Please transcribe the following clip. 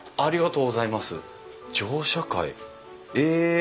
え！